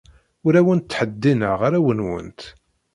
Ur awent-ttheddineɣ arraw-nwent.